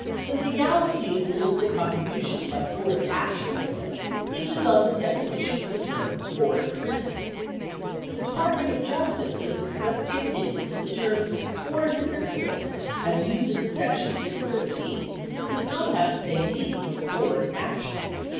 The legality of politi cal contributions by foreign nationals, then, hinges on the definition of the term "foreign principal." The Department of Justice has expressed the opinion that the term "foreign principal" as used in the section 613 does not have the same meaning as "foreign national."